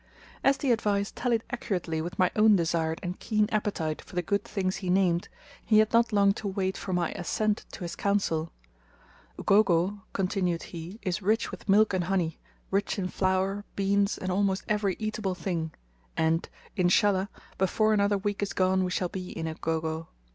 As the advice tallied accurately with my own desired and keen appetite for the good things he named, he had not long to wait for my assent to his counsel. "Ugogo," continued he, "is rich with milk and honey rich in flour, beans and almost every eatable thing; and, Inshallah! before another week is gone we shall be in Ugogo!"